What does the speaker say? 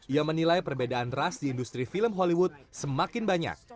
ia menilai perbedaan ras di industri film hollywood semakin banyak